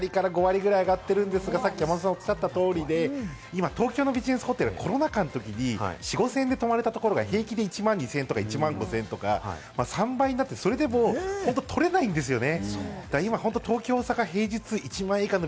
全体的にだいたいならすと、３割から５割くらい上がってるんですが、さっきおっしゃったとおりで、東京のビジネスホテル、コロナ禍の時に４０００５０００円で泊まれた所が平気で１万２０００円、１万５０００円とか３倍になって、それでも本当に取れないんですよね。